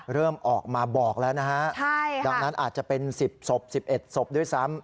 เริ่มออกมาบอกแล้วนะฮะดังนั้นอาจจะเป็น๑๐ศพ๑๑ศพด้วยซ้ำ